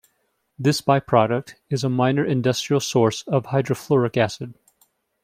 This byproduct is a minor industrial source of hydrofluoric acid.